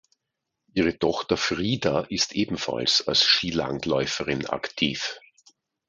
Ihre Tochter Frida ist ebenfalls als Skilangläuferin aktiv.